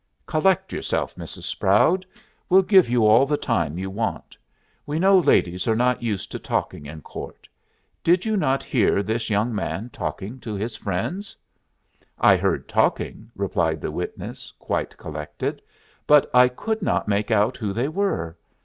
"Collect yourself, Mrs. Sproud. We'll give you all the time you want. We know ladies are not used to talking in court. Did you not hear this young man talking to his friends?" "I heard talking," replied the witness, quite collected. "But I could not make out who they were.